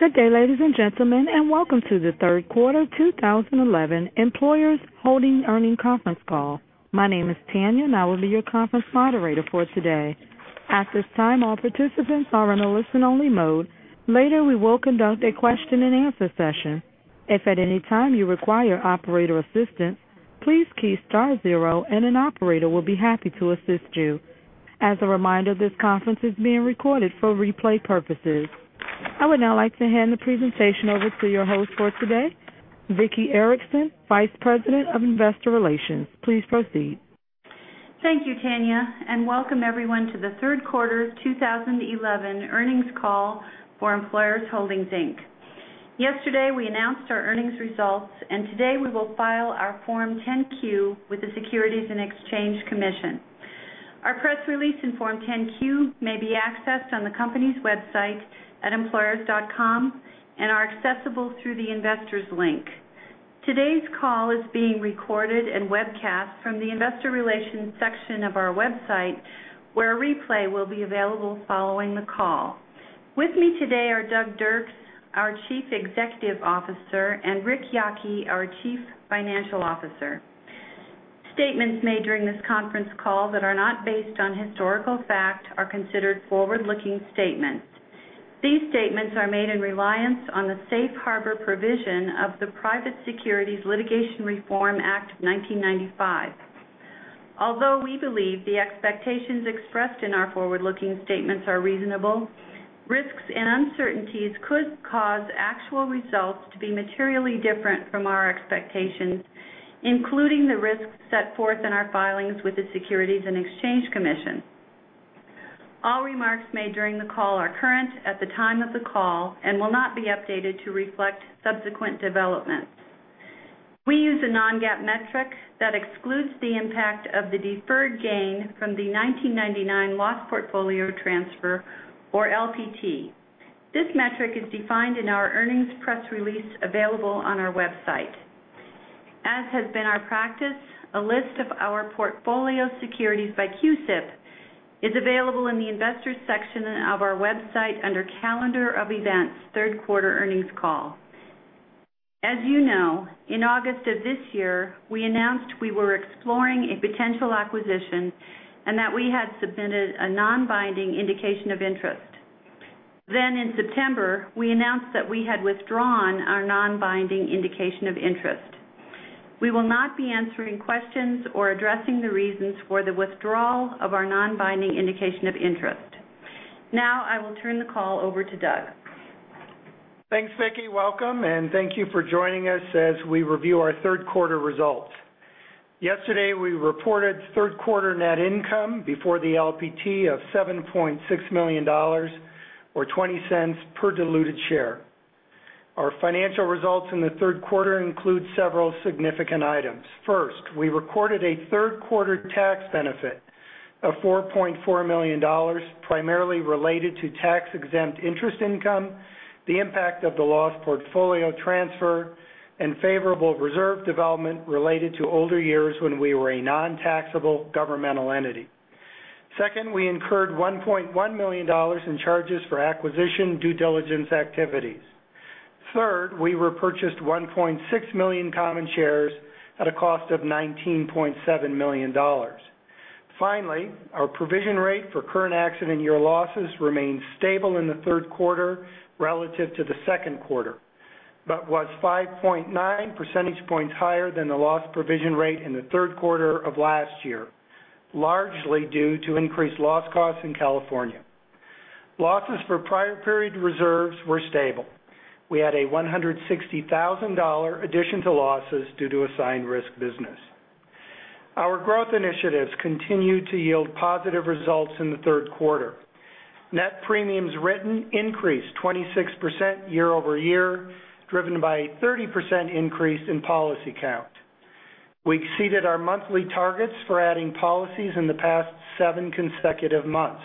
Good day, ladies and gentlemen, and welcome to the third quarter 2011 Employers Holdings earnings conference call. My name is Tanya and I will be your conference moderator for today. At this time, all participants are in a listen-only mode. Later, we will conduct a question-and-answer session. If at any time you require operator assistance, please key star 0 and an operator will be happy to assist you. As a reminder, this conference is being recorded for replay purposes. I would now like to hand the presentation over to your host for today, Vicki Erickson, Vice President of Investor Relations. Please proceed. Thank you, Tanya, and welcome everyone to the third quarter 2011 earnings call for Employers Holdings, Inc. Yesterday, we announced our earnings results, and today we will file our Form 10-Q with the Securities and Exchange Commission. Our press release and Form 10-Q may be accessed on the company's website at employers.com and are accessible through the investors link. Today's call is being recorded and webcast from the investor relations section of our website, where a replay will be available following the call. With me today are Doug Dirks, our Chief Executive Officer, and Rick Yockey, our Chief Financial Officer. Statements made during this conference call that are not based on historical fact are considered forward-looking statements. These statements are made in reliance on the Safe Harbor provision of the Private Securities Litigation Reform Act of 1995. Although we believe the expectations expressed in our forward-looking statements are reasonable, risks and uncertainties could cause actual results to be materially different from our expectations, including the risks set forth in our filings with the Securities and Exchange Commission. All remarks made during the call are current at the time of the call and will not be updated to reflect subsequent developments. We use a non-GAAP metric that excludes the impact of the deferred gain from the 1999 Loss Portfolio Transfer, or LPT. This metric is defined in our earnings press release available on our website. As has been our practice, a list of our portfolio securities by CUSIP is available in the investors section of our website under Calendar of Events: Third Quarter Earnings Call. As you know, in August of this year, we announced we were exploring a potential acquisition and that we had submitted a non-binding indication of interest. In September, we announced that we had withdrawn our non-binding indication of interest. Now I will turn the call over to Doug. Thanks, Vicki. Welcome, thank you for joining us as we review our third quarter results. Yesterday, we reported third quarter net income before the LPT of $7.6 million, or $0.20 per diluted share. Our financial results in the third quarter include several significant items. First, we recorded a third-quarter tax benefit of $4.4 million, primarily related to tax-exempt interest income, the impact of the Loss Portfolio Transfer, and favorable reserve development related to older years when we were a non-taxable governmental entity. Second, we incurred $1.1 million in charges for acquisition due diligence activities. Third, we repurchased 1.6 million common shares at a cost of $19.7 million. Finally, our provision rate for current accident year losses remained stable in the third quarter relative to the second quarter but was 5.9 percentage points higher than the loss provision rate in the third quarter of last year, largely due to increased loss costs in California. Losses for prior period reserves were stable. We had a $160,000 addition to losses due to assigned risk business. Our growth initiatives continued to yield positive results in the third quarter. Net premiums written increased 26% year-over-year, driven by a 30% increase in policy count. We exceeded our monthly targets for adding policies in the past seven consecutive months,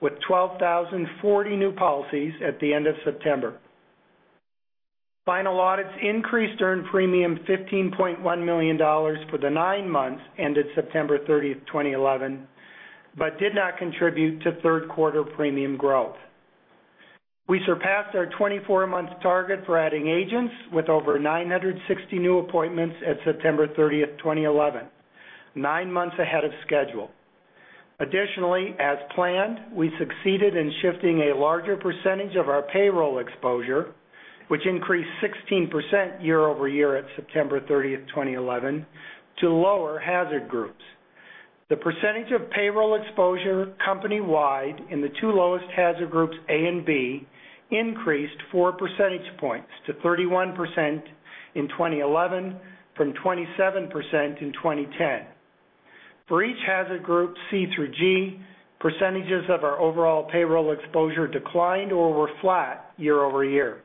with 12,040 new policies at the end of September. Final audits increased earned premium $15.1 million for the nine months ended September 30, 2011, but did not contribute to third-quarter premium growth. We surpassed our 24-month target for adding agents with over 960 new appointments at September 30, 2011, nine months ahead of schedule. Additionally, as planned, we succeeded in shifting a larger percentage of our payroll exposure, which increased 16% year-over-year at September 30, 2011, to lower hazard groups. The percentage of payroll exposure company-wide in the two lowest hazard groups, A and B, increased four percentage points to 31% in 2011 from 27% in 2010. For each hazard group C through G, percentages of our overall payroll exposure declined or were flat year-over-year.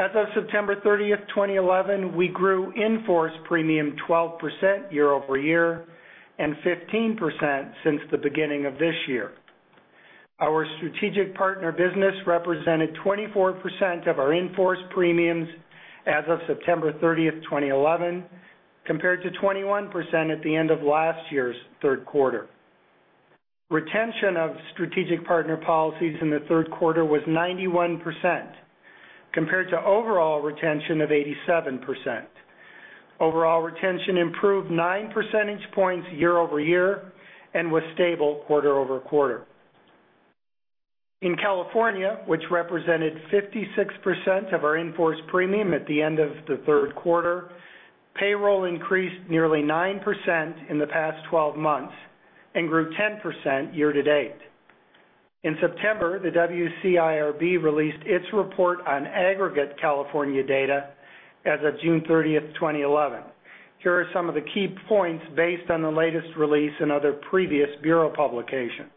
As of September 30, 2011, we grew in-force premium 12% year-over-year and 15% since the beginning of this year. Our strategic partner business represented 24% of our in-force premiums as of September 30, 2011, compared to 21% at the end of last year's third quarter. Retention of strategic partner policies in the third quarter was 91%, compared to overall retention of 87%. Overall retention improved nine percentage points year-over-year and was stable quarter-over-quarter. In California, which represented 56% of our in-force premium at the end of the third quarter, payroll increased nearly 9% in the past 12 months and grew 10% year-to-date. In September, the WCIRB released its report on aggregate California data as of June 30, 2011. Here are some of the key points based on the latest release and other previous bureau publications.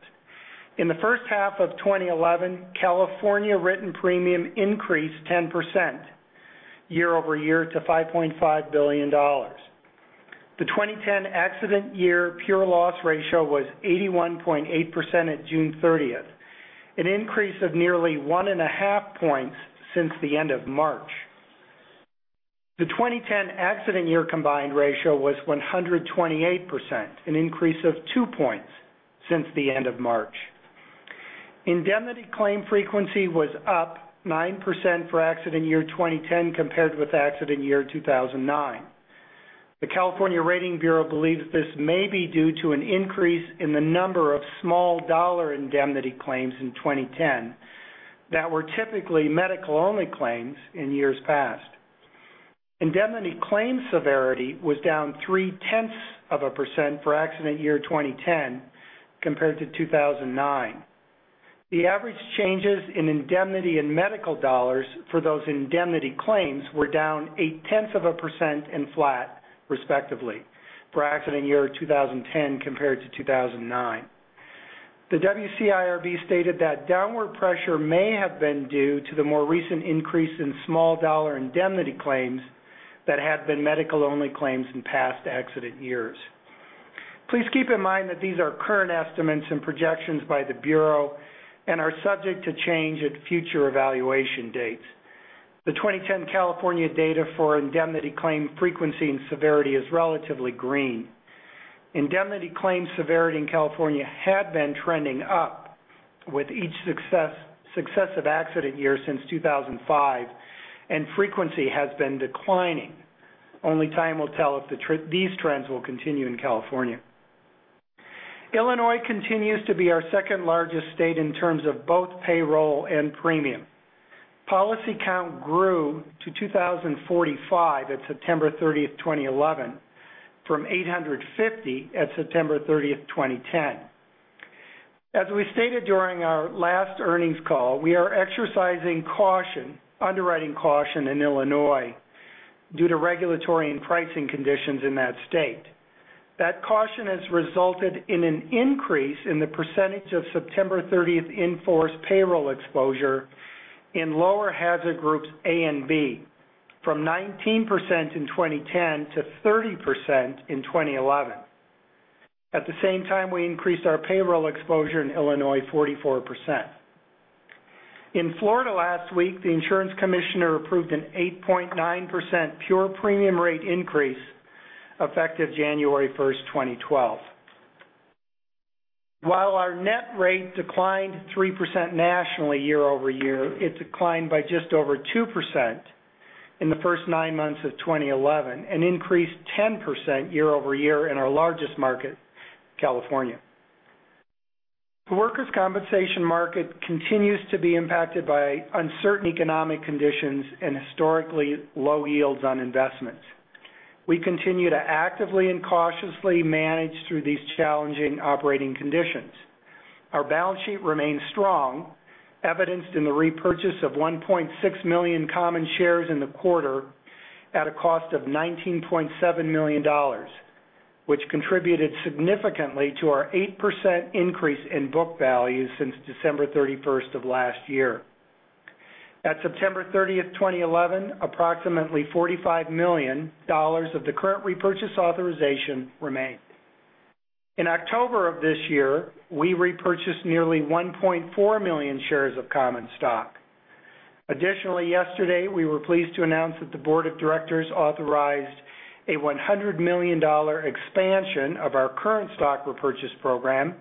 In the first half of 2011, California written premium increased 10% year-over-year to $5.5 billion. The 2010 accident year pure loss ratio was 81.8% at June 30, an increase of nearly one and a half points since the end of March. The 2010 accident year combined ratio was 128%, an increase of two points since the end of March. Indemnity claim frequency was up 9% for accident year 2010 compared with accident year 2009. The California Rating Bureau believes this may be due to an increase in the number of small-dollar indemnity claims in 2010 that were typically medical-only claims in years past. Indemnity claim severity was down 0.3% for accident year 2010 compared to 2009. The average changes in indemnity and medical dollars for those indemnity claims were down 0.8% and flat respectively for accident year 2010 compared to 2009. The WCIRB stated that downward pressure may have been due to the more recent increase in small-dollar indemnity claims that had been medical-only claims in past accident years. Please keep in mind that these are current estimates and projections by the Bureau and are subject to change at future evaluation dates. The 2010 California data for indemnity claim frequency and severity is relatively green. Indemnity claim severity in California had been trending up with each successive accident year since 2005, and frequency has been declining. Only time will tell if these trends will continue in California. Illinois continues to be our second-largest state in terms of both payroll and premium. Policy count grew to 2,045 at September 30, 2011, from 850 at September 30, 2010. As we stated during our last earnings call, we are exercising caution, underwriting caution in Illinois due to regulatory and pricing conditions in that state. That caution has resulted in an increase in the percentage of September 30 in-force payroll exposure in lower hazard groups A and B from 19% in 2010 to 30% in 2011. At the same time, we increased our payroll exposure in Illinois 44%. In Florida last week, the insurance commissioner approved an 8.9% pure premium rate increase effective January 1, 2012. While our net rate declined 3% nationally year-over-year, it declined by just over 2% in the first nine months of 2011 and increased 10% year-over-year in our largest market, California. The workers' compensation market continues to be impacted by uncertain economic conditions and historically low yields on investments. We continue to actively and cautiously manage through these challenging operating conditions. Our balance sheet remains strong, evidenced in the repurchase of 1.6 million common shares in the quarter at a cost of $19.7 million, which contributed significantly to our 8% increase in book value since December 31 of last year. At September 30, 2011, approximately $45 million of the current repurchase authorization remained. In October of this year, we repurchased nearly 1.4 million shares of common stock. Additionally, yesterday, we were pleased to announce that the board of directors authorized a $100 million expansion of our current stock repurchase program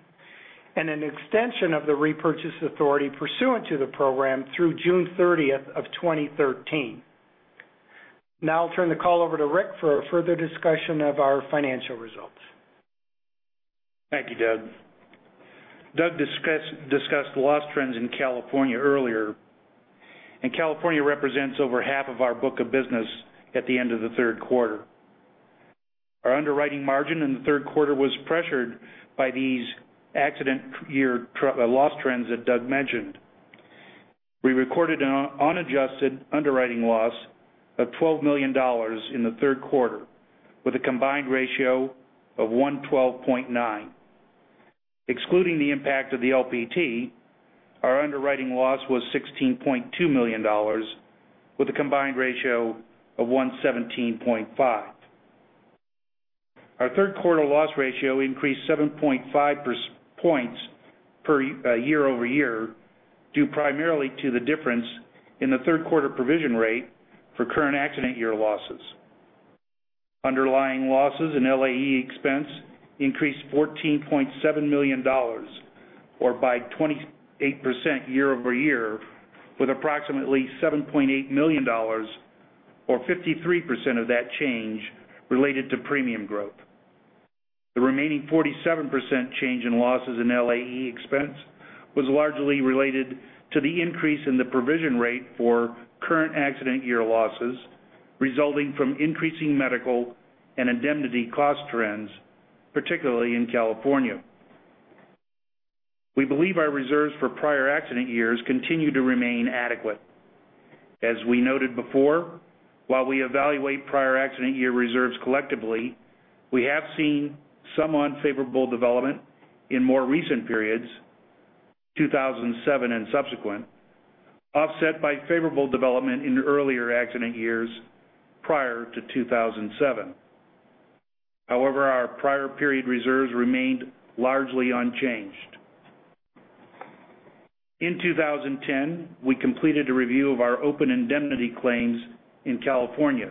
and an extension of the repurchase authority pursuant to the program through June 30, 2013. Now I'll turn the call over to Rick for further discussion of our financial results. Thank you, Doug. Doug discussed loss trends in California earlier, and California represents over half of our book of business at the end of the third quarter. Our underwriting margin in the third quarter was pressured by these accident year loss trends that Doug mentioned. We recorded an unadjusted underwriting loss of $12 million in the third quarter with a combined ratio of 112.9. Excluding the impact of the LPT, our underwriting loss was $16.2 million with a combined ratio of 117.5. Our third quarter loss ratio increased 7.5 points year-over-year, due primarily to the difference in the third quarter provision rate for current accident year losses. Underlying losses and LAE expense increased $14.7 million or by 28% year-over-year, with approximately $7.8 million or 53% of that change related to premium growth. The remaining 47% change in losses in LAE expense was largely related to the increase in the provision rate for current accident year losses, resulting from increasing medical and indemnity cost trends, particularly in California. We believe our reserves for prior accident years continue to remain adequate. As we noted before, while we evaluate prior accident year reserves collectively, we have seen some unfavorable development in more recent periods, 2007 and subsequent, offset by favorable development in earlier accident years prior to 2007. Our prior period reserves remained largely unchanged. In 2010, we completed a review of our open indemnity claims in California.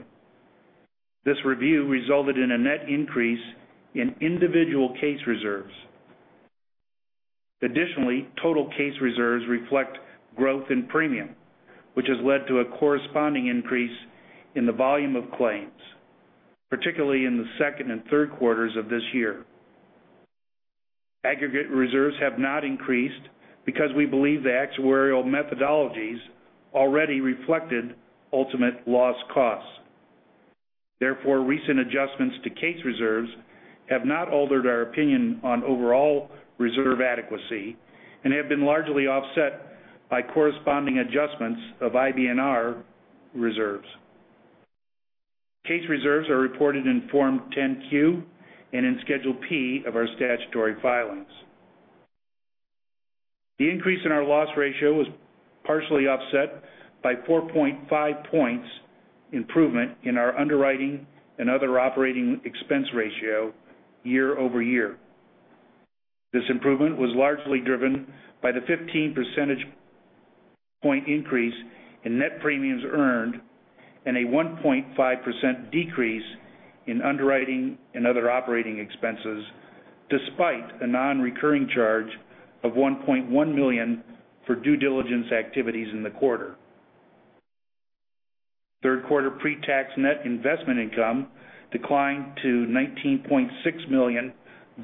This review resulted in a net increase in individual case reserves. Total case reserves reflect growth in premium, which has led to a corresponding increase in the volume of claims, particularly in the second and third quarters of this year. Aggregate reserves have not increased because we believe the actuarial methodologies already reflected ultimate loss costs. Recent adjustments to case reserves have not altered our opinion on overall reserve adequacy and have been largely offset by corresponding adjustments of IBNR reserves. Case reserves are reported in Form 10-Q and in Schedule P of our statutory filings. The increase in our loss ratio was partially offset by 4.5 points improvement in our underwriting and other operating expense ratio year-over-year. This improvement was largely driven by the 15 percentage point increase in net premiums earned and a 1.5% decrease in underwriting and other operating expenses, despite a non-recurring charge of $1.1 million for due diligence activities in the quarter. Third quarter pre-tax net investment income declined to $19.6 million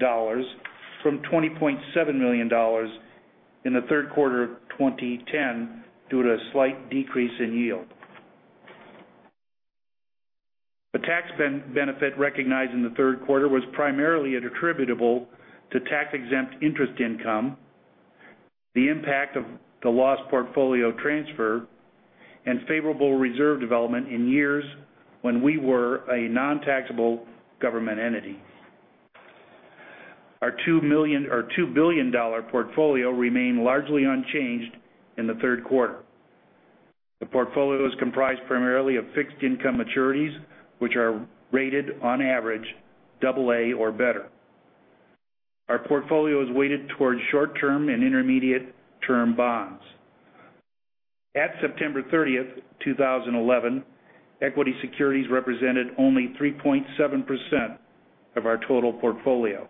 from $20.7 million in the third quarter of 2010 due to a slight decrease in yield. The tax benefit recognized in the third quarter was primarily attributable to tax-exempt interest income, the impact of the Loss Portfolio Transfer, and favorable reserve development in years when we were a non-taxable government entity. Our $2 billion portfolio remained largely unchanged in the third quarter. The portfolio is comprised primarily of fixed income maturities, which are rated on average A or better. Our portfolio is weighted towards short-term and intermediate-term bonds. At September 30th, 2011, equity securities represented only 3.7% of our total portfolio.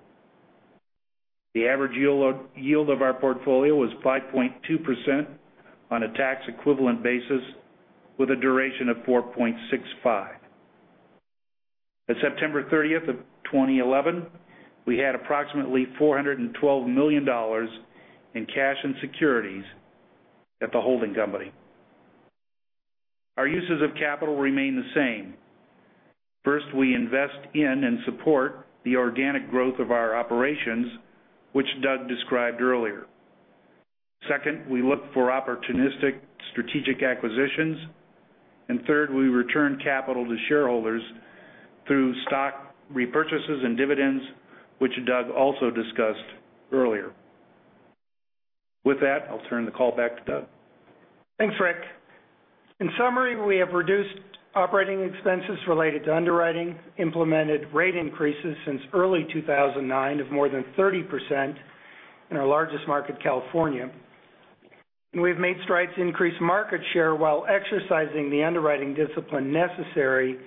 The average yield of our portfolio was 5.2% on a tax equivalent basis with a duration of 4.65. At September 30th of 2011, we had approximately $412 million in cash and securities at the holding company. Our uses of capital remain the same. First, we invest in and support the organic growth of our operations, which Doug described earlier. Second, we look for opportunistic strategic acquisitions. Third, we return capital to shareholders through stock repurchases and dividends, which Doug also discussed earlier. With that, I'll turn the call back to Doug. Thanks, Rick. In summary, we have reduced operating expenses related to underwriting, implemented rate increases since early 2009 of more than 30% in our largest market, California. We've made strides to increase market share while exercising the underwriting discipline necessary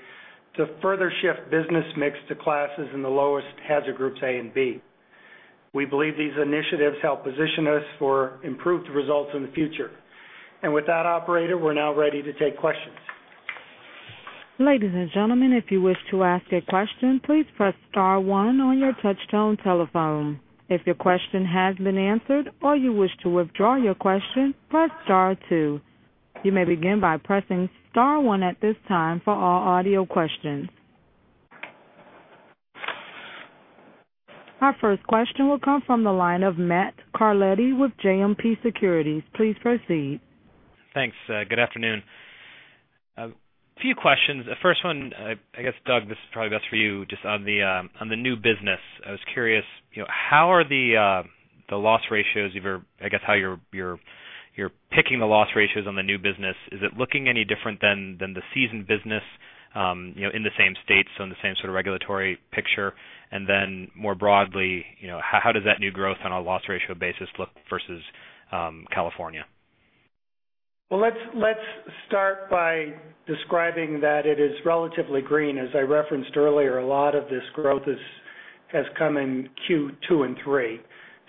to further shift business mix to classes in the lowest hazard groups A and B. We believe these initiatives help position us for improved results in the future. With that operator, we're now ready to take questions. Ladies and gentlemen, if you wish to ask a question, please press star one on your touchtone telephone. If your question has been answered or you wish to withdraw your question, press star two. You may begin by pressing star one at this time for all audio questions. Our first question will come from the line of Matt Carletti with JMP Securities. Please proceed. Thanks. Good afternoon. A few questions. First one, I guess, Doug, this is probably best for you. Just on the new business, I was curious, how are the loss ratios, I guess, You're picking the loss ratios on the new business. Is it looking any different than the seasoned business in the same states, so in the same sort of regulatory picture? Then more broadly, how does that new growth on a loss ratio basis look versus California? Let's start by describing that it is relatively green. As I referenced earlier, a lot of this growth has come in Q2 and 3.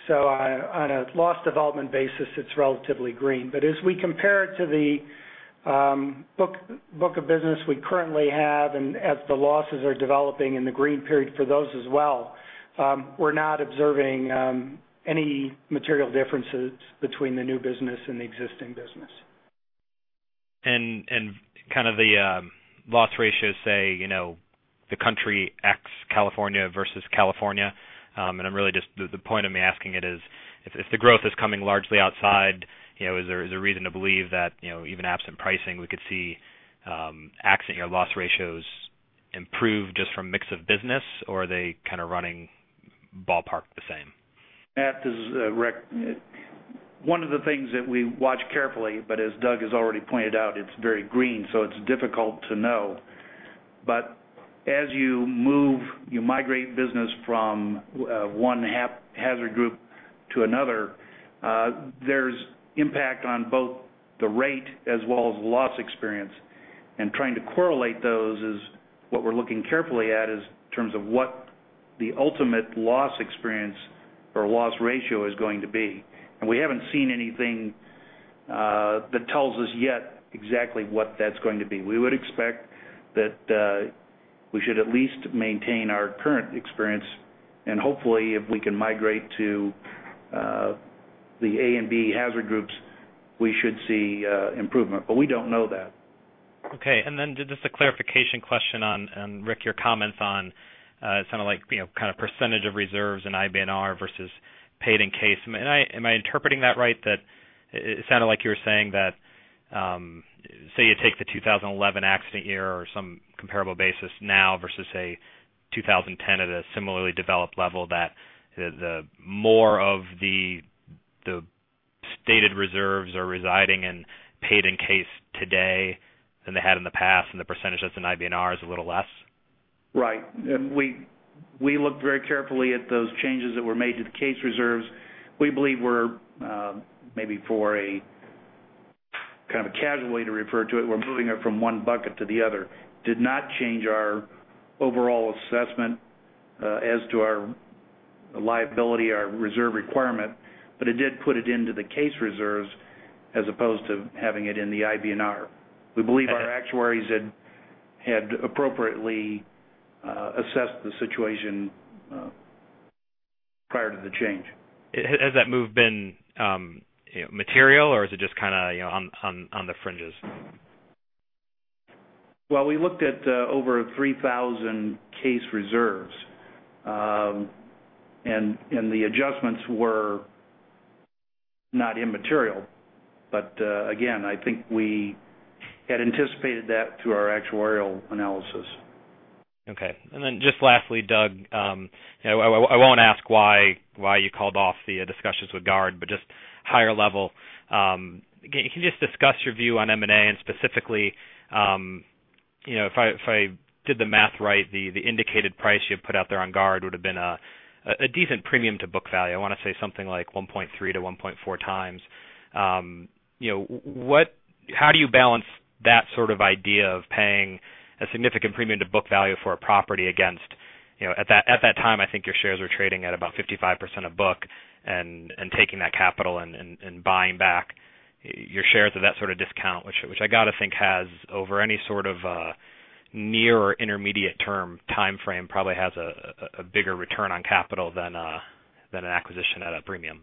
On a loss development basis, it's relatively green. As we compare it to the book of business we currently have and as the losses are developing in the green period for those as well, we're not observing any material differences between the new business and the existing business. Kind of the loss ratios say, the country X California versus California. The point of me asking it is, if the growth is coming largely outside, is there reason to believe that even absent pricing, we could see accident year loss ratios improve just from mix of business? Are they kind of running ballpark the same? Matt, this is Rick. One of the things that we watch carefully, but as Doug has already pointed out, it's very green, so it's difficult to know. As you migrate business from one hazard group to another, there's impact on both the rate as well as loss experience. Trying to correlate those is what we're looking carefully at in terms of what the ultimate loss experience or loss ratio is going to be. We haven't seen anything that tells us yet exactly what that's going to be. We would expect that we should at least maintain our current experience, and hopefully, if we can migrate to the A and B hazard groups, we should see improvement. We don't know that. Okay. Then just a clarification question on, Rick, your comments on kind of percentage of reserves in IBNR versus paid in case. Am I interpreting that right? It sounded like you were saying that, say you take the 2011 accident year or some comparable basis now versus, say, 2010 at a similarly developed level, that more of the stated reserves are residing in paid in case today than they had in the past, and the percentage that's in IBNR is a little less. Right. We looked very carefully at those changes that were made to the case reserves. We believe we're, maybe for a kind of a casual way to refer to it, we're moving it from one bucket to the other. It did not change our overall assessment as to our liability, our reserve requirement, but it did put it into the case reserves as opposed to having it in the IBNR. We believe our actuaries had appropriately assessed the situation prior to the change. Has that move been material, or is it just kind of on the fringes? Well, we looked at over 3,000 case reserves. The adjustments were not immaterial. Again, I think we had anticipated that through our actuarial analysis. Okay. Just lastly, Doug, I won't ask why you called off the discussions with Guard, but just higher level. Can you just discuss your view on M&A and specifically, if I did the math right, the indicated price you had put out there on Guard would've been a decent premium to book value. I want to say something like 1.3 to 1.4 times. How do you balance that sort of idea of paying a significant premium to book value for a property against, at that time, I think your shares were trading at about 55% of book and taking that capital and buying back your shares at that sort of discount, which I got to think has over any sort of near or intermediate term timeframe, probably has a bigger return on capital than an acquisition at a premium.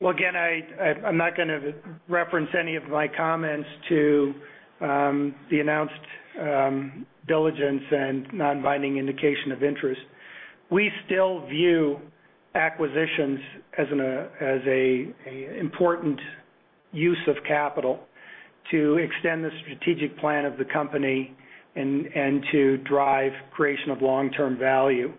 Well, again, I'm not going to reference any of my comments to the announced diligence and non-binding indication of interest. We still view acquisitions as an important use of capital to extend the strategic plan of the company and to drive creation of long-term value.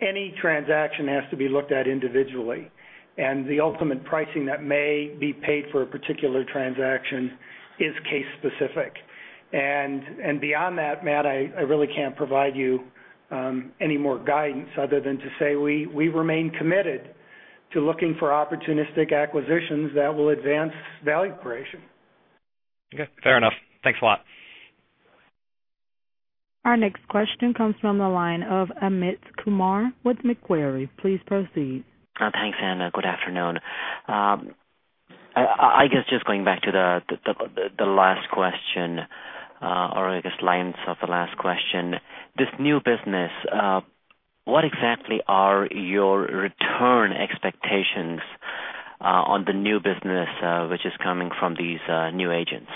Any transaction has to be looked at individually, and the ultimate pricing that may be paid for a particular transaction is case specific. Beyond that, Matt, I really can't provide you any more guidance other than to say we remain committed to looking for opportunistic acquisitions that will advance value creation. Okay, fair enough. Thanks a lot. Our next question comes from the line of Amit Kumar with Macquarie. Please proceed. Thanks, Anna. Good afternoon. I guess just going back to the last question, or I guess lines of the last question. This new business, what exactly are your return expectations on the new business, which is coming from these new agents?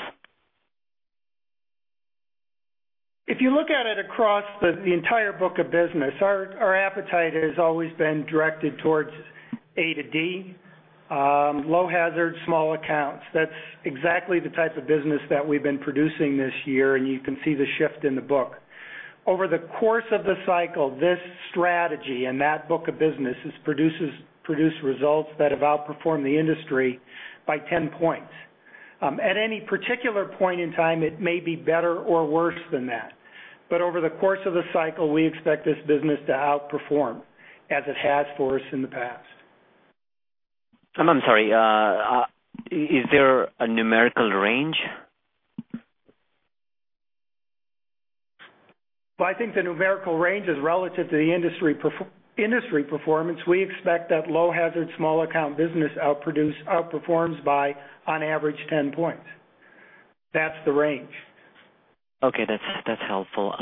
If you look at it across the entire book of business, our appetite has always been directed towards A to D, low hazard, small accounts. That's exactly the type of business that we've been producing this year, and you can see the shift in the book. Over the course of the cycle, this strategy and that book of business has produced results that have outperformed the industry by 10 points. At any particular point in time, it may be better or worse than that. Over the course of the cycle, we expect this business to outperform, as it has for us in the past. I'm sorry. Is there a numerical range? Well, I think the numerical range is relative to the industry performance. We expect that low-hazard small account business outperforms by, on average, 10 points. That's the range. Okay. That's helpful.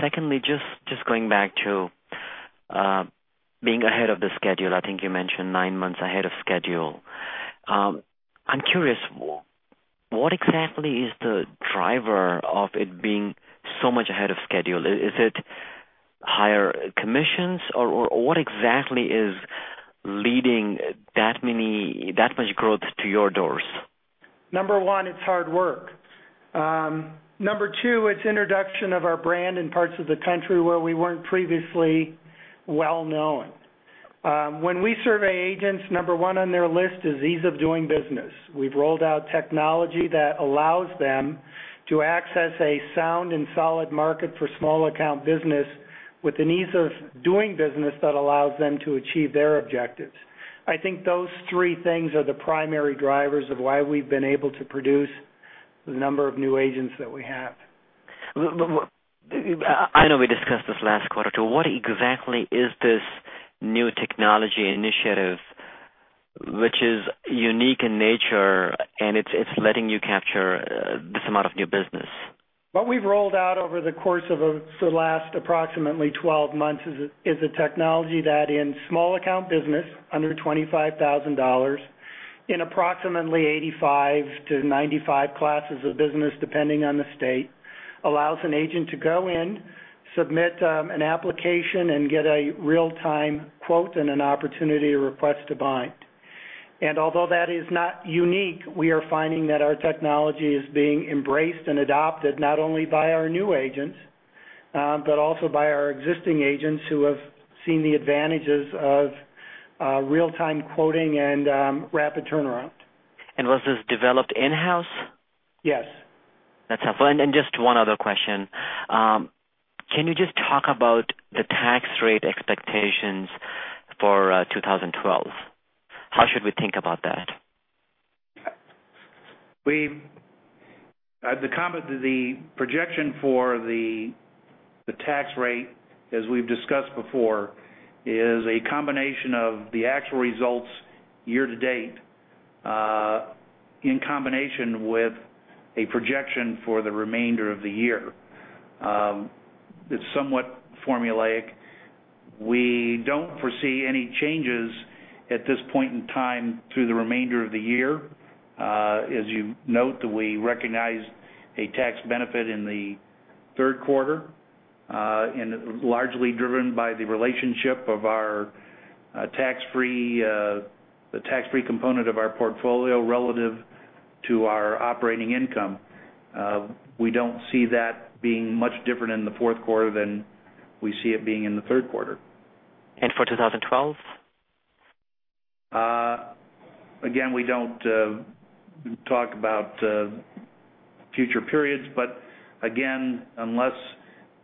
Secondly, just going back to being ahead of the schedule, I think you mentioned nine months ahead of schedule. I'm curious, what exactly is the driver of it being so much ahead of schedule? Is it higher commissions, or what exactly is leading that much growth to your doors? Number one, it's hard work. Number two, it's introduction of our brand in parts of the country where we weren't previously well-known. When we survey agents, number one on their list is ease of doing business. We've rolled out technology that allows them to access a sound and solid market for small account business with an ease of doing business that allows them to achieve their objectives. I think those three things are the primary drivers of why we've been able to produce the number of new agents that we have. I know we discussed this last quarter, too. What exactly is this new technology initiative, which is unique in nature, it's letting you capture this amount of new business? What we've rolled out over the course of the last approximately 12 months is a technology that in small account business, under $25,000, in approximately 85 to 95 classes of business, depending on the state, allows an agent to go in, submit an application, get a real-time quote and an opportunity to request to bind. Although that is not unique, we are finding that our technology is being embraced and adopted not only by our new agents, but also by our existing agents who have seen the advantages of real-time quoting and rapid turnaround. Was this developed in-house? Yes. That's helpful. Just one other question. Can you just talk about the tax rate expectations for 2012? How should we think about that? The projection for the tax rate, as we've discussed before, is a combination of the actual results year-to-date, in combination with a projection for the remainder of the year. It's somewhat formulaic. We don't foresee any changes at this point in time through the remainder of the year. As you note, we recognized a tax benefit in the third quarter, largely driven by the relationship of the tax-free component of our portfolio relative to our operating income. We don't see that being much different in the fourth quarter than we see it being in the third quarter. For 2012? Again, we don't talk about future periods, unless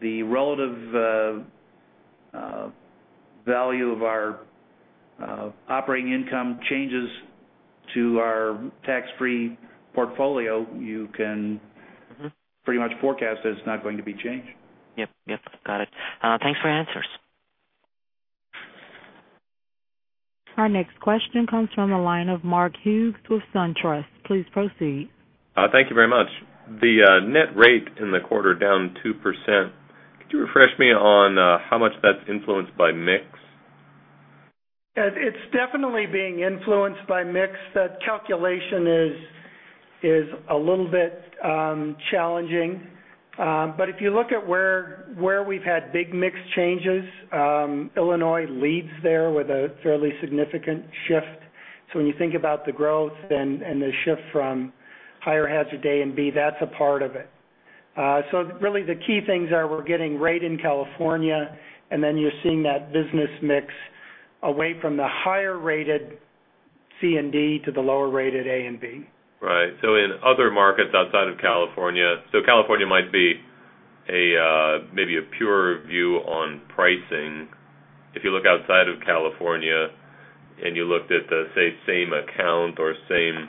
the relative value of our operating income changes to our tax-free portfolio, you can pretty much forecast that it's not going to be changing. Yep. Got it. Thanks for your answers. Our next question comes from the line of Mark Hughes with SunTrust. Please proceed. Thank you very much. The net rate in the quarter down 2%. Could you refresh me on how much that's influenced by mix? It's definitely being influenced by mix. That calculation is a little bit challenging. If you look at where we've had big mix changes, Illinois leads there with a fairly significant shift. When you think about the growth and the shift from higher hazard A and B, that's a part of it. Really the key things are we're getting rate in California, and then you're seeing that business mix away from the higher-rated C and D to the lower-rated A and B. Right. In other markets outside of California might be maybe a pure view on pricing. If you look outside of California, and you looked at the, say, same account or same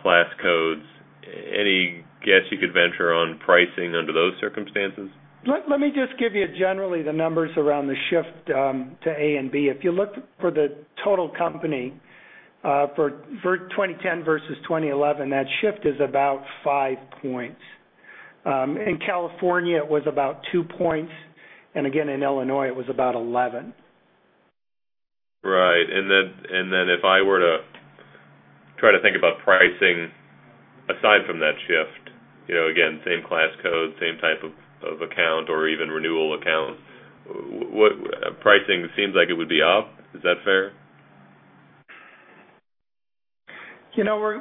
class codes, any guess you could venture on pricing under those circumstances? Let me just give you generally the numbers around the shift to A and B. If you look for the total company for 2010 versus 2011, that shift is about five points. In California, it was about two points. Again, in Illinois, it was about 11. Right. If I were to try to think about pricing, aside from that shift, again, same class code, same type of account or even renewal account, pricing seems like it would be up. Is that fair?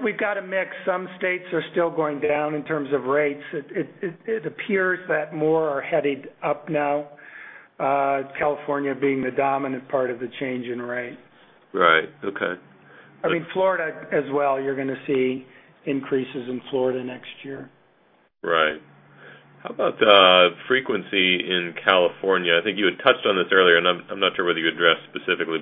We've got a mix. Some states are still going down in terms of rates. It appears that more are headed up now, California being the dominant part of the change in rates. Right. Okay. I mean, Florida as well. You're going to see increases in Florida next year. Right. How about frequency in California? I think you had touched on this earlier, I'm not sure whether you addressed specifically,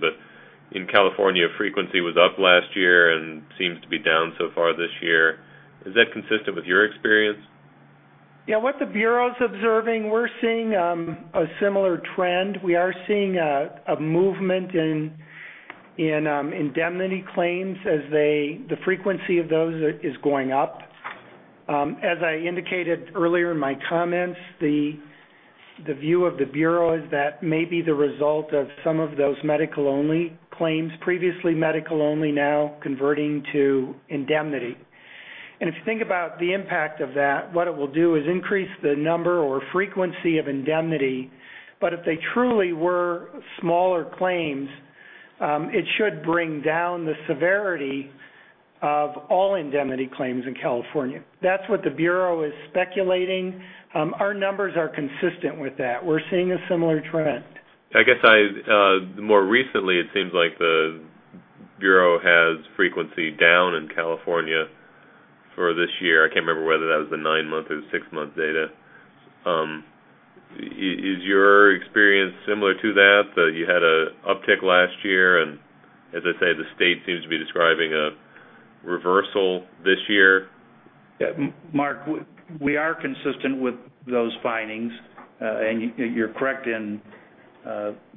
In California, frequency was up last year and seems to be down so far this year. Is that consistent with your experience? Yeah. What the bureau's observing, we're seeing a similar trend. We are seeing a movement in indemnity claims. The frequency of those is going up. As I indicated earlier in my comments, the view of the bureau is that may be the result of some of those medical-only claims, previously medical-only, now converting to indemnity. If you think about the impact of that, what it will do is increase the number or frequency of indemnity. If they truly were smaller claims, it should bring down the severity of all indemnity claims in California. That's what the bureau is speculating. Our numbers are consistent with that. We're seeing a similar trend. I guess, more recently, it seems like the Bureau has frequency down in California for this year. I can't remember whether that was the nine-month or the six-month data. Is your experience similar to that you had a uptick last year, and as I say, the State seems to be describing a reversal this year? Yeah, Mark, we are consistent with those findings. You're correct in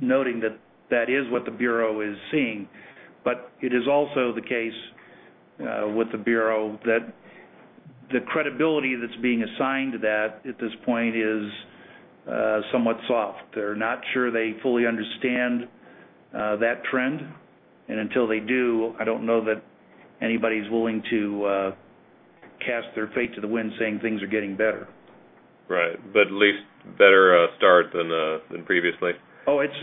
noting that that is what the Bureau is seeing. It is also the case with the Bureau that the credibility that's being assigned to that at this point is somewhat soft. They're not sure they fully understand that trend. Until they do, I don't know that anybody's willing to cast their fate to the wind saying things are getting better. Right. At least better start than previously. Oh, it's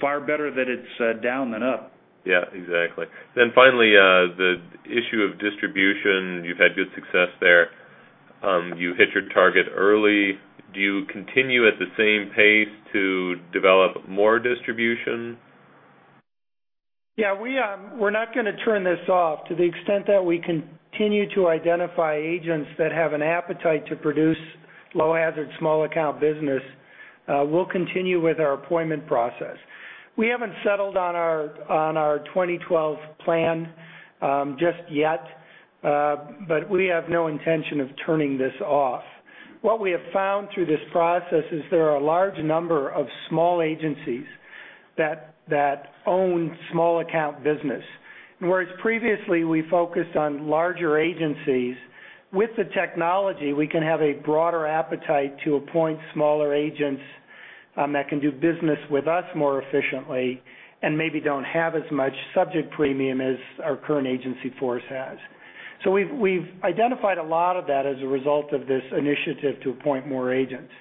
far better that it's down than up. Yeah, exactly. Finally, the issue of distribution, you've had good success there. You hit your target early. Do you continue at the same pace to develop more distribution? Yeah, we're not going to turn this off. To the extent that we continue to identify agents that have an appetite to produce low hazard, small account business, we'll continue with our appointment process. We haven't settled on our 2012 plan just yet, but we have no intention of turning this off. What we have found through this process is there are a large number of small agencies that own small account business. Whereas previously we focused on larger agencies, with the technology, we can have a broader appetite to appoint smaller agents that can do business with us more efficiently and maybe don't have as much subject premium as our current agency force has. We've identified a lot of that as a result of this initiative to appoint more agents.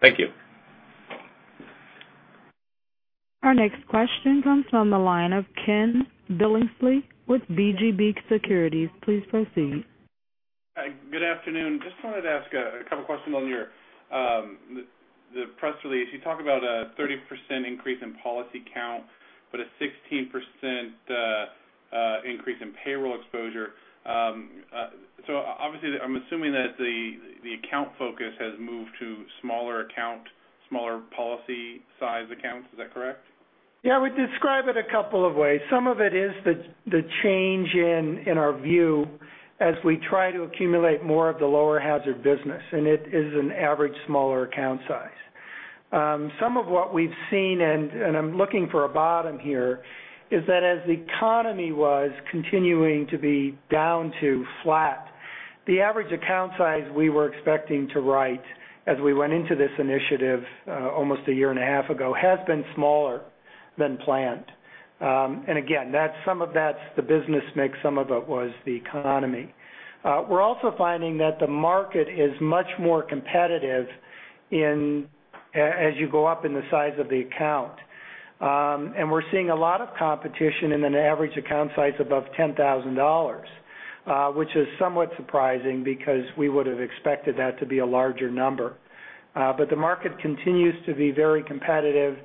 Thank you. Our next question comes from the line of Ken Billingsley with Fig Partners. Please proceed. Hi. Good afternoon. Just wanted to ask a couple questions on the press release. You talk about a 30% increase in policy count, but a 16% increase in payroll exposure. Obviously, I'm assuming that the account focus has moved to smaller account, smaller policy size accounts. Is that correct? Yeah. I would describe it a couple of ways. Some of it is the change in our view as we try to accumulate more of the lower hazard business, and it is an average smaller account size. Some of what we've seen, and I'm looking for a bottom here, is that as the economy was continuing to be down to flat, the average account size we were expecting to write as we went into this initiative almost a year and a half ago, has been smaller than planned. Again, some of that's the business mix, some of it was the economy. We're also finding that the market is much more competitive as you go up in the size of the account. We're seeing a lot of competition in an average account size above $10,000, which is somewhat surprising because we would have expected that to be a larger number. The market continues to be very competitive,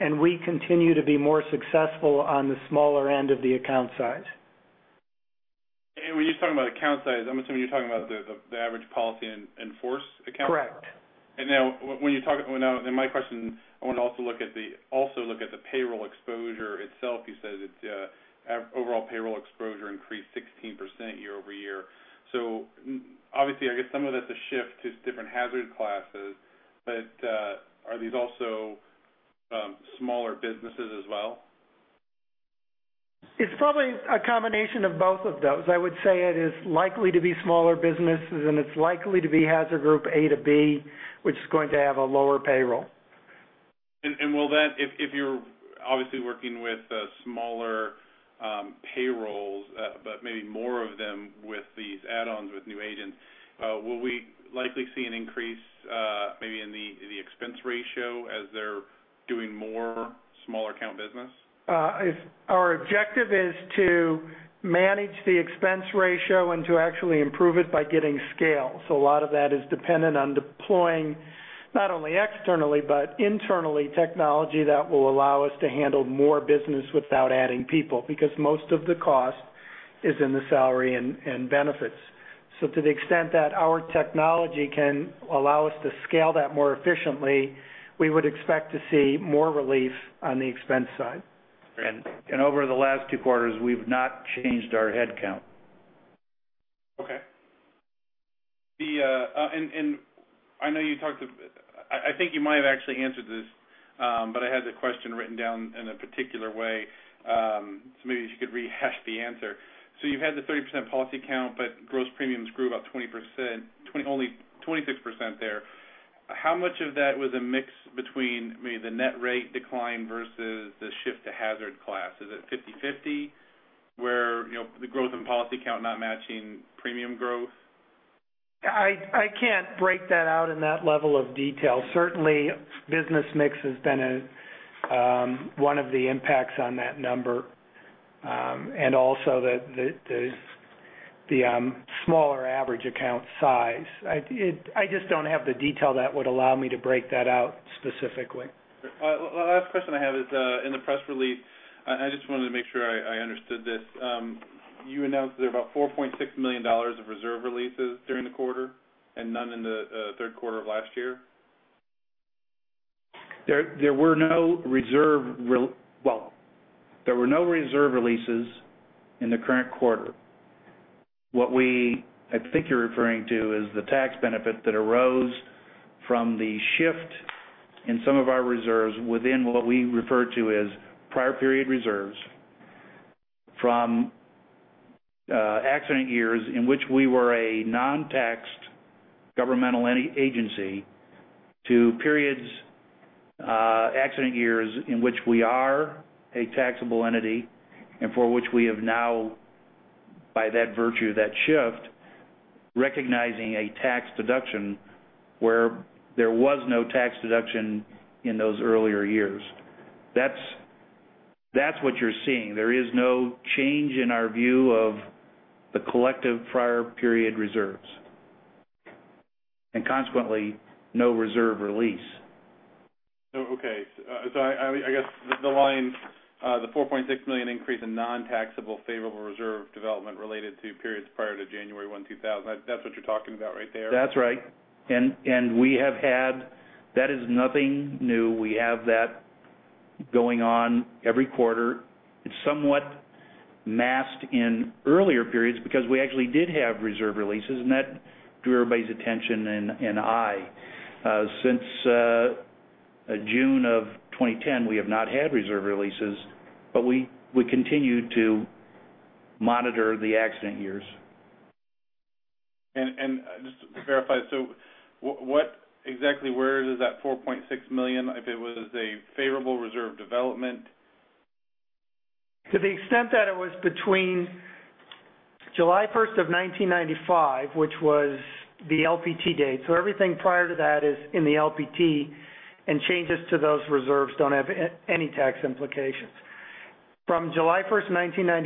and we continue to be more successful on the smaller end of the account size. When you're talking about account size, I'm assuming you're talking about the average policy in force account? Correct. Now, I want to also look at the payroll exposure itself. You said overall payroll exposure increased 16% year-over-year. Obviously, I guess some of that's a shift to different hazard classes. Are these also smaller businesses as well? It's probably a combination of both of those. I would say it is likely to be smaller businesses, and it's likely to be hazard group A to B, which is going to have a lower payroll. If you're obviously working with smaller payrolls, but maybe more of them with these add-ons with new agents, will we likely see an increase maybe in the expense ratio as Doing more smaller account business? Our objective is to manage the expense ratio and to actually improve it by getting scale. A lot of that is dependent on deploying, not only externally, but internally, technology that will allow us to handle more business without adding people, because most of the cost is in the salary and benefits. To the extent that our technology can allow us to scale that more efficiently, we would expect to see more relief on the expense side. Over the last two quarters, we've not changed our headcount. Okay. I think you might have actually answered this, but I had the question written down in a particular way, so maybe if you could rehash the answer. You had the 30% policy count, but gross premiums grew about 26% there. How much of that was a mix between the net rate decline versus the shift to hazard class? Is it 50-50, where the growth in policy count not matching premium growth? I can't break that out in that level of detail. Certainly, business mix has been one of the impacts on that number, and also the smaller average account size. I just don't have the detail that would allow me to break that out specifically. Last question I have is, in the press release, I just wanted to make sure I understood this. You announced that there were about $4.6 million of reserve releases during the quarter, and none in the third quarter of last year? There were no reserve releases in the current quarter. What I think you're referring to is the tax benefit that arose from the shift in some of our reserves within what we refer to as prior period reserves from accident years in which we were a non-taxed governmental agency to periods, accident years, in which we are a taxable entity, and for which we have now, by that virtue, that shift, recognizing a tax deduction where there was no tax deduction in those earlier years. That's what you're seeing. There is no change in our view of the collective prior period reserves, and consequently, no reserve release. Oh, okay. I guess the line, the $4.6 million increase in non-taxable favorable reserve development related to periods prior to January 1, 2000, that's what you're talking about right there? That's right. That is nothing new. We have that going on every quarter. It's somewhat masked in earlier periods because we actually did have reserve releases, and that drew everybody's attention and eye. Since June of 2010, we have not had reserve releases, but we continue to monitor the accident years. Just to verify, so what exactly where is that $4.6 million, if it was a favorable reserve development? To the extent that it was between July 1st, 1995, which was the LPT date. Everything prior to that is in the LPT, and changes to those reserves don't have any tax implications. From July 1st,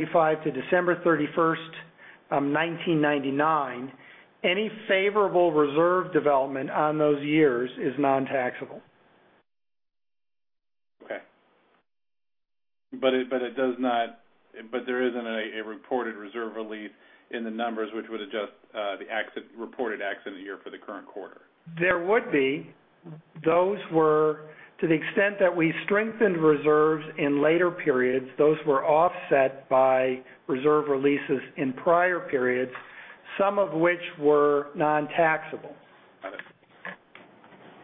1995 to December 31st, 1999, any favorable reserve development on those years is non-taxable. Okay. There isn't a reported reserve release in the numbers which would adjust the reported accident year for the current quarter? There would be. To the extent that we strengthened reserves in later periods, those were offset by reserve releases in prior periods, some of which were non-taxable. Got it.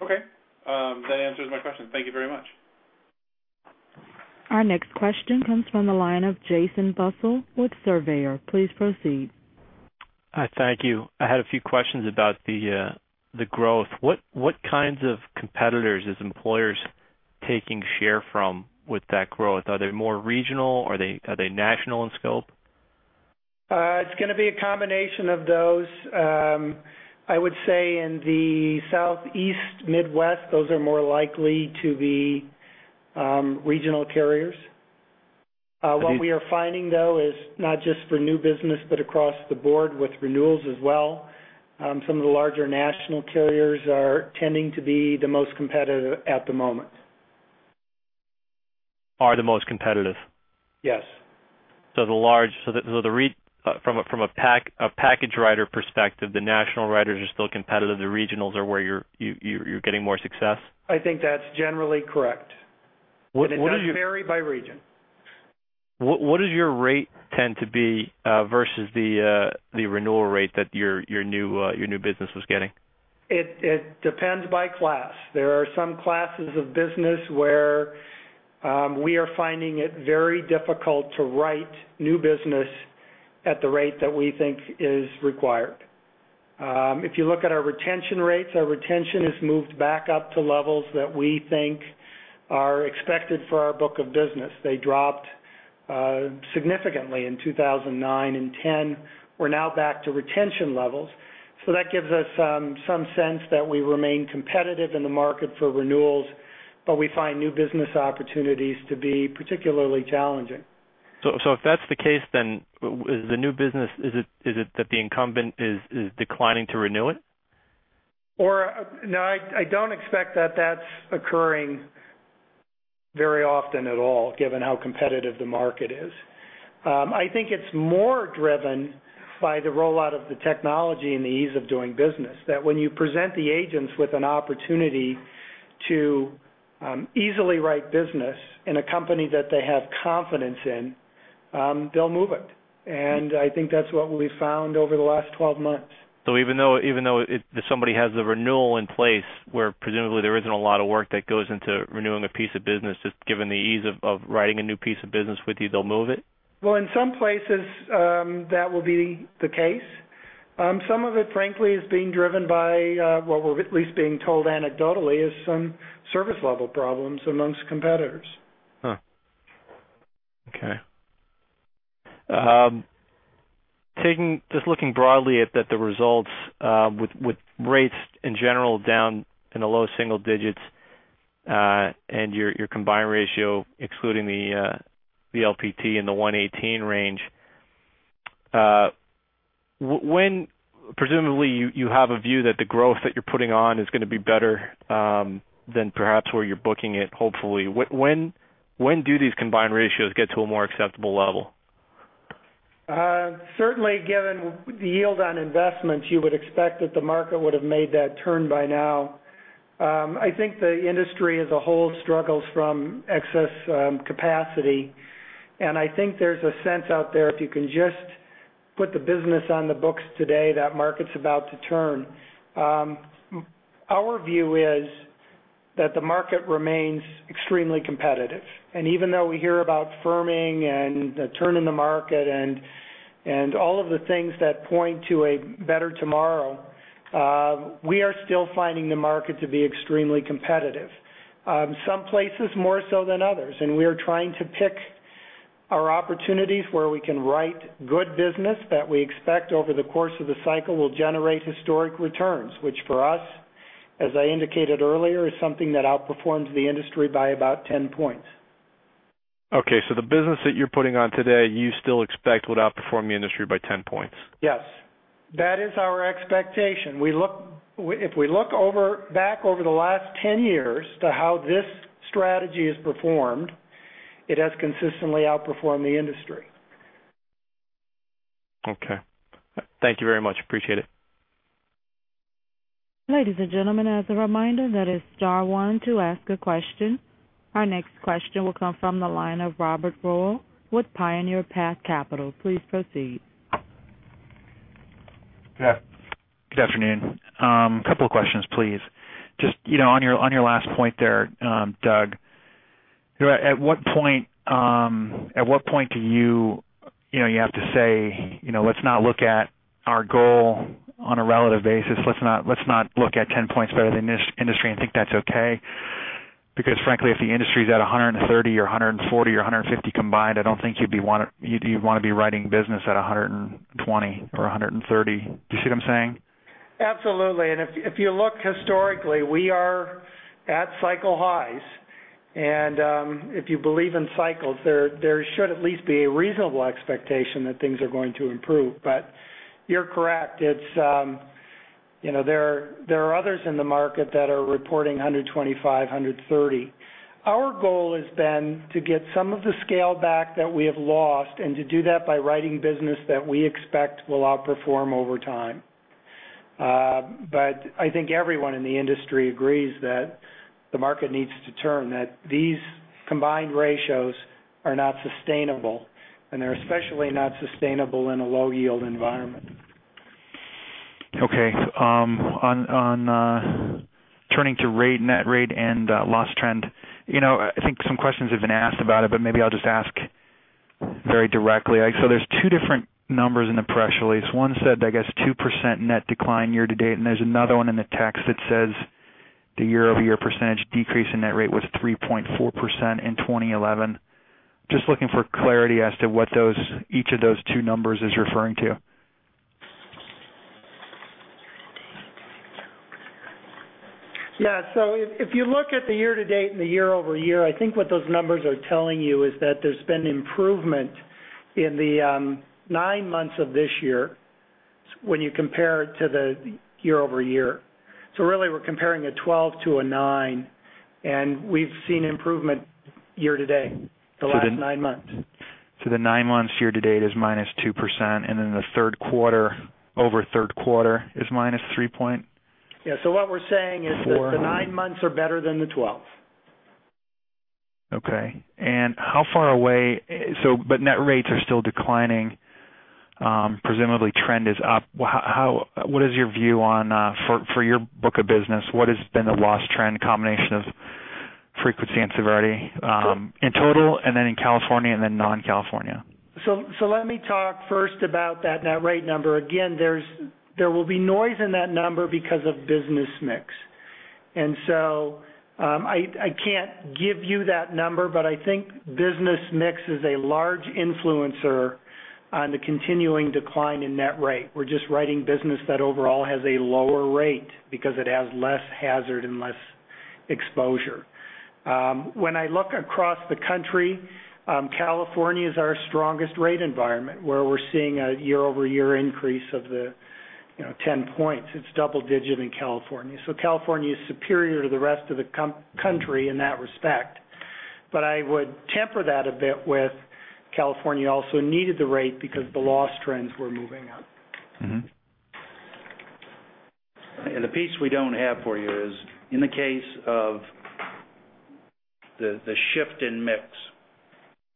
Okay. That answers my question. Thank you very much. Our next question comes from the line of Jason Bussell with Surveyor. Please proceed. Hi, thank you. I had a few questions about the growth. What kinds of competitors is Employers taking share from with that growth? Are they more regional? Are they national in scope? It's going to be a combination of those. I would say in the Southeast, Midwest, those are more likely to be regional carriers. What we are finding, though, is not just for new business, but across the board with renewals as well, some of the larger national carriers are tending to be the most competitive at the moment. Are the most competitive? Yes. From a package writer perspective, the national writers are still competitive. The regionals are where you're getting more success? I think that's generally correct. What are you- It does vary by region. What does your rate tend to be versus the renewal rate that your new business was getting? It depends by class. There are some classes of business where we are finding it very difficult to write new business at the rate that we think is required. If you look at our retention rates, our retention has moved back up to levels that we think are expected for our book of business. They dropped significantly in 2009 and 2010, we're now back to retention levels. That gives us some sense that we remain competitive in the market for renewals, but we find new business opportunities to be particularly challenging. If that's the case, then the new business, is it that the incumbent is declining to renew it? No, I don't expect that that's occurring very often at all, given how competitive the market is. I think it's more driven by the rollout of the technology and the ease of doing business, that when you present the agents with an opportunity to easily write business in a company that they have confidence in, they'll move it. I think that's what we've found over the last 12 months. Even though if somebody has the renewal in place, where presumably there isn't a lot of work that goes into renewing a piece of business, just given the ease of writing a new piece of business with you, they'll move it? In some places, that will be the case. Some of it, frankly, is being driven by what we're at least being told anecdotally is some service level problems amongst competitors. Just looking broadly at the results, with rates in general down in the low single digits, and your combined ratio excluding the LPT in the 118 range. Presumably you have a view that the growth that you're putting on is going to be better than perhaps where you're booking it, hopefully. When do these combined ratios get to a more acceptable level? Given the yield on investments, you would expect that the market would have made that turn by now. The industry as a whole struggles from excess capacity. I think there's a sense out there if you can just put the business on the books today, that market's about to turn. Our view is that the market remains extremely competitive. Even though we hear about firming and a turn in the market, and all of the things that point to a better tomorrow, we are still finding the market to be extremely competitive. Some places more so than others, and we are trying to pick our opportunities where we can write good business that we expect over the course of the cycle will generate historic returns, which for us, as I indicated earlier, is something that outperforms the industry by about 10 points. Okay, the business that you're putting on today, you still expect would outperform the industry by 10 points? Yes. That is our expectation. If we look back over the last 10 years to how this strategy has performed, it has consistently outperformed the industry. Okay. Thank you very much. Appreciate it. Ladies and gentlemen, as a reminder, that is star one to ask a question. Our next question will come from the line of Robert Röhl with Pioneer Pac Capital. Please proceed. Yeah. Good afternoon. Couple of questions, please. Just on your last point there, Doug, at what point do you have to say, let's not look at our goal on a relative basis. Let's not look at 10 points better than this industry and think that's okay. Because frankly, if the industry's at 130 or 140 or 150 combined, I don't think you'd want to be writing business at 120 or 130. Do you see what I'm saying? Absolutely. If you look historically, we are at cycle highs, and if you believe in cycles, there should at least be a reasonable expectation that things are going to improve. You're correct. There are others in the market that are reporting 125, 130. Our goal has been to get some of the scale back that we have lost, and to do that by writing business that we expect will outperform over time. I think everyone in the industry agrees that the market needs to turn, that these combined ratios are not sustainable, and they're especially not sustainable in a low yield environment. Okay. Turning to net rate and loss trend. I think some questions have been asked about it, but maybe I'll just ask very directly. There's two different numbers in the press release. One said, I guess 2% net decline year to date, and there's another one in the text that says the year-over-year percentage decrease in net rate was 3.4% in 2011. Just looking for clarity as to what each of those two numbers is referring to. Yeah. If you look at the year to date and the year-over-year, I think what those numbers are telling you is that there's been improvement in the nine months of this year when you compare it to the year-over-year. Really, we're comparing a 12 to a nine, and we've seen improvement year to date, the last nine months. The nine months year-to-date is minus 2%, and then the third quarter-over-third quarter is minus three point. Yeah. What we're saying is. Four The nine months are better than the 12. Okay. Net rates are still declining. Presumably trend is up. What is your view on for your book of business, what has been the loss trend combination of frequency and severity in total, and then in California, and then non-California? Let me talk first about that net rate number. Again, there will be noise in that number because of business mix. I can't give you that number, but I think business mix is a large influencer on the continuing decline in net rate. We're just writing business that overall has a lower rate because it has less hazard and less exposure. When I look across the country, California is our strongest rate environment, where we're seeing a year-over-year increase of 10 points. It's double digit in California. California is superior to the rest of the country in that respect. I would temper that a bit with California also needed the rate because the loss trends were moving up. The piece we don't have for you is, in the case of the shift in mix,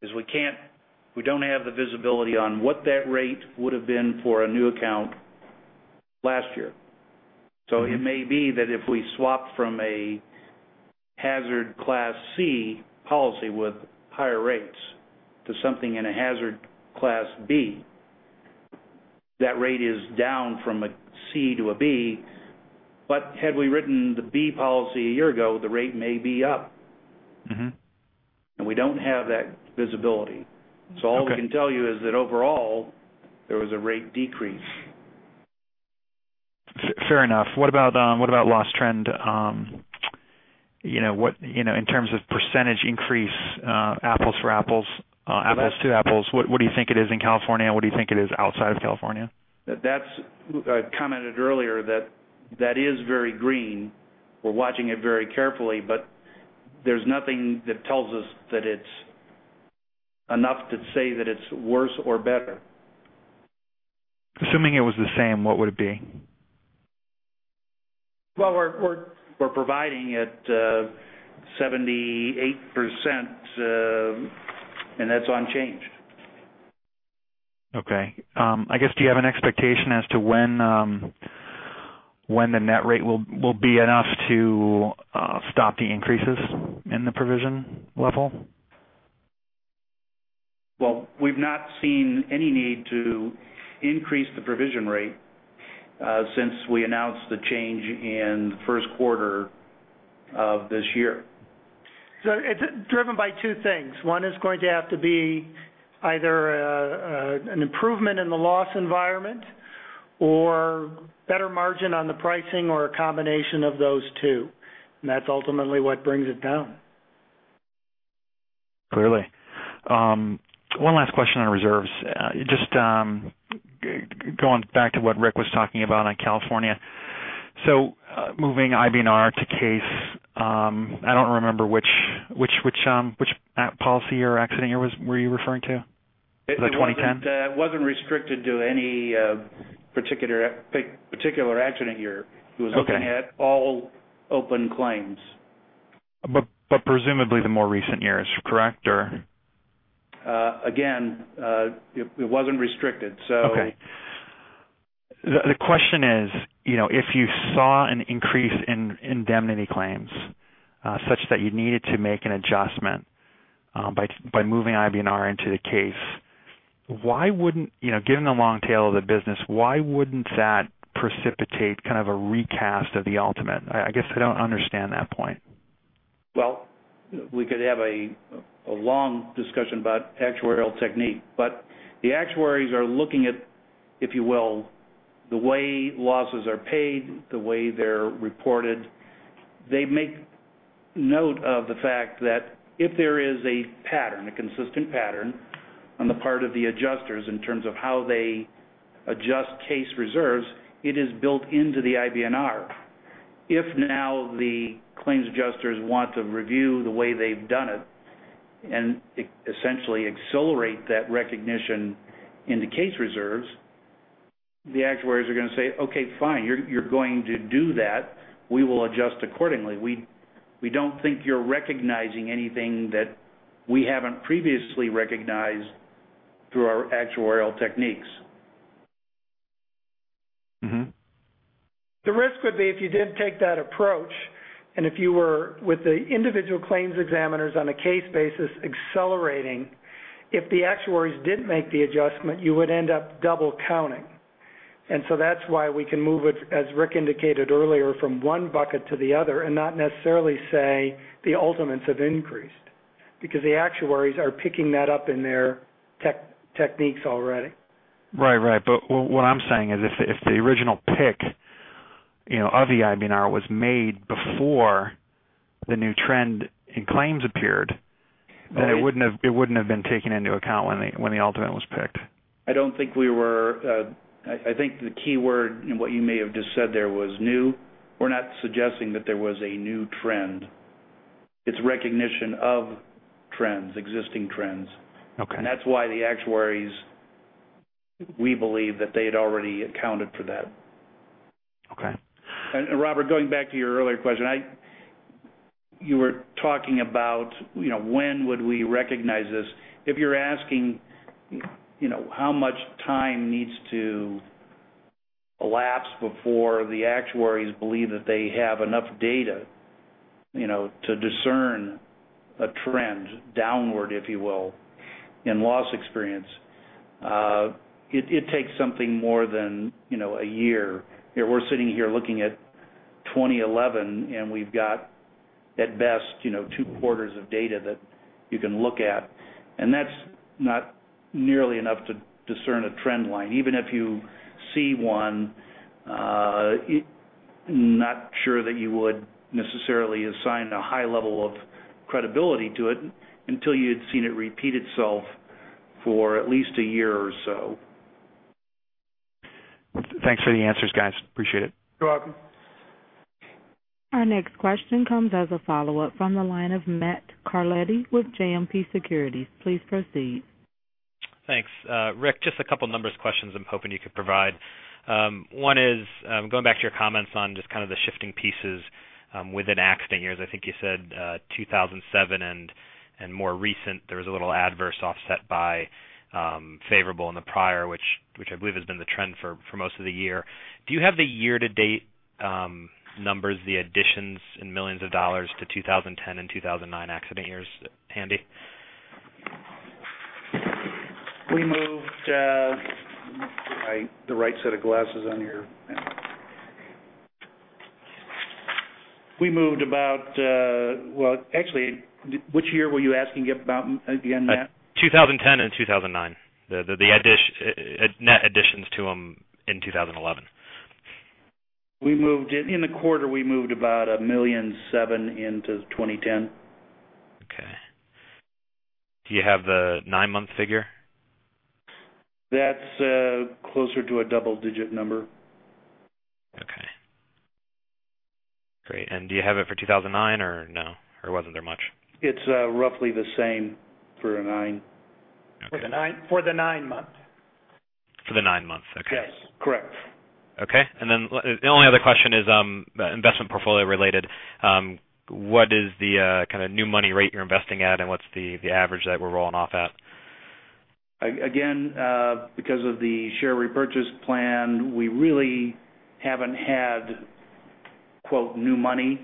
is we don't have the visibility on what that rate would've been for a new account last year. It may be that if we swap from a hazard class C policy with higher rates to something in a hazard class B, that rate is down from a C to a B. Had we written the B policy a year ago, the rate may be up. We don't have that visibility. Okay. All we can tell you is that overall, there was a rate decrease. Fair enough. What about loss trend, in terms of percentage increase, apples to apples, what do you think it is in California? What do you think it is outside of California? I commented earlier that that is very green. We're watching it very carefully. There's nothing that tells us that it's enough to say that it's worse or better. Assuming it was the same, what would it be? Well, we're providing at 78%. That's unchanged. Okay. I guess, do you have an expectation as to when the net rate will be enough to stop the increases in the provision level? Well, we've not seen any need to increase the provision rate since we announced the change in the first quarter of this year. It's driven by two things. One is going to have to be either an improvement in the loss environment or better margin on the pricing or a combination of those two, and that's ultimately what brings it down. Clearly. One last question on reserves. Just going back to what Rick was talking about on California. Moving IBNR to case, I don't remember which policy or accident year were you referring to? Was it 2010? It wasn't restricted to any particular accident year. Okay. He was looking at all open claims. Presumably the more recent years, correct? Again, it wasn't restricted. Okay. The question is, if you saw an increase in indemnity claims, such that you needed to make an adjustment by moving IBNR into the case, given the long tail of the business, why wouldn't that precipitate kind of a recast of the ultimate? I guess I don't understand that point. Well, we could have a long discussion about actuarial technique, the actuaries are looking at, if you will, the way losses are paid, the way they're reported. They make note of the fact that if there is a pattern, a consistent pattern on the part of the adjusters in terms of how they adjust case reserves, it is built into the IBNR. Now the claims adjusters want to review the way they've done it, and essentially accelerate that recognition into case reserves, the actuaries are going to say, "Okay, fine. You're going to do that. We will adjust accordingly. We don't think you're recognizing anything that we haven't previously recognized through our actuarial techniques. The risk would be if you did take that approach, and if you were with the individual claims examiners on a case basis accelerating, if the actuaries didn't make the adjustment, you would end up double counting. That's why we can move it, as Rick indicated earlier, from one bucket to the other and not necessarily say the ultimates have increased because the actuaries are picking that up in their techniques already. Right. What I'm saying is if the original pick of the IBNR was made before the new trend in claims appeared, it wouldn't have been taken into account when the ultimate was picked. I think the key word in what you may have just said there was new. We're not suggesting that there was a new trend. It's recognition of trends, existing trends. Okay. That's why the actuaries, we believe that they had already accounted for that. Okay. Robert, going back to your earlier question, you were talking about when would we recognize this? If you're asking how much time needs to elapse before the actuaries believe that they have enough data to discern a trend downward, if you will, in loss experience, it takes something more than one year. We're sitting here looking at 2011, we've got, at best, two quarters of data that you can look at, that's not nearly enough to discern a trend line. Even if you see one, not sure that you would necessarily assign a high level of credibility to it until you had seen it repeat itself for at least one year or so. Thanks for the answers, guys. Appreciate it. You're welcome. Our next question comes as a follow-up from the line of Matt Carletti with JMP Securities. Please proceed. Thanks. Rick, just a couple numbers questions I'm hoping you could provide. One is, going back to your comments on just kind of the shifting pieces within accident years, I think you said 2007 and more recent, there was a little adverse offset by favorable in the prior, which I believe has been the trend for most of the year. Do you have the year-to-date numbers, the additions in millions of dollars to 2010 and 2009 accident years handy? If I get the right set of glasses on here. We moved about, well, actually, which year were you asking about again, Matt? 2010 and 2009, the net additions to them in 2011. In the quarter, we moved about $1.7 million into 2010. Okay. Do you have the nine-month figure? That's closer to a double-digit number. Okay. Great. Do you have it for 2009, or no? Or wasn't there much? It's roughly the same for the nine. For the nine months. For the nine months, okay. Yes, correct. Okay. Then the only other question is investment portfolio related. What is the kind of new money rate you're investing at, and what's the average that we're rolling off at? Again, because of the share repurchase plan, we really haven't had, quote, new money.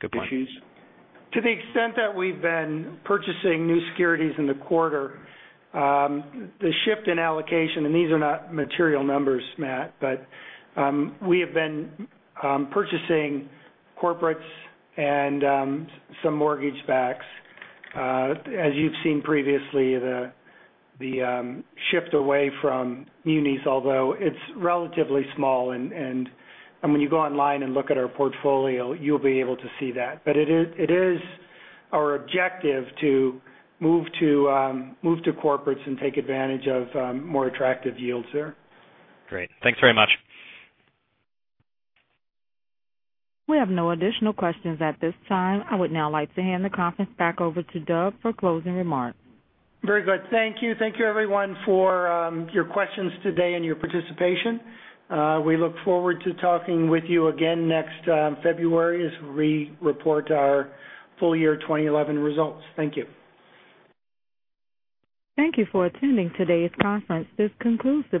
Good point. issues. To the extent that we've been purchasing new securities in the quarter, the shift in allocation, these are not material numbers, Matt, but we have been purchasing corporates and some mortgage backs. As you've seen previously, the shift away from munis, although it's relatively small. When you go online and look at our portfolio, you'll be able to see that. It is our objective to move to corporates and take advantage of more attractive yields there. Great. Thanks very much. We have no additional questions at this time. I would now like to hand the conference back over to Doug for closing remarks. Very good. Thank you. Thank you everyone for your questions today and your participation. We look forward to talking with you again next February as we report our full year 2011 results. Thank you. Thank you for attending today's conference. This concludes the.